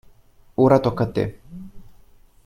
Ora tocca a te!